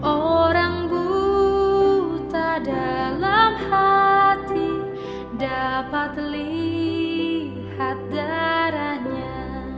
orang buta dalam hati dapat lihat darahnya